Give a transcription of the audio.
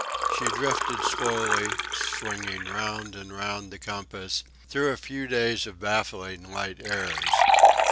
She drifted slowly, swinging round and round the compass, through a few days of baffling light airs.